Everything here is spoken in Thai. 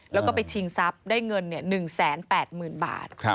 แล้วก็ไปชิงทรัพย์ได้เงิน๑๘๐๐๐บาท